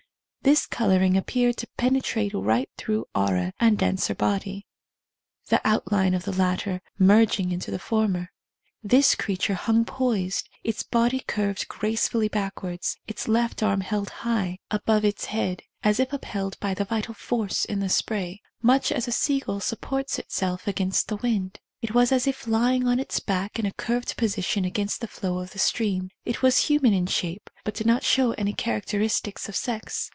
This colouring appeared to penetrate right through aura and denser body, the ':'\:tline of the latter merging into the former. This creature hung poised, its body curved grace fully backwards, its left arm held high above 111 THE COMING OF THE FAIRIES its head, as if upheld by the vital force in the spray, much as a seagull supports itself against the wind. It was as if lying on its back in a curved position against the flow of the stream. It was human in shape, but did not show any characteristics of sex.